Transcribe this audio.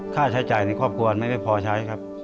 ค่าใช้จ่ายในครอบครัวไม่พอใช้ครับ